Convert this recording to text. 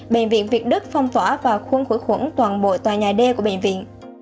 bệnh viện việt đức phong tỏa vào khuôn khủy khuẩn toàn bộ tòa nhà đê của bệnh viện